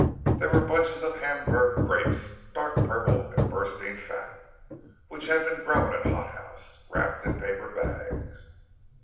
There were bunches of Hamburg grapes, dark purple and bursting fat, which had been grown in a hot house, wrapped in paper bags.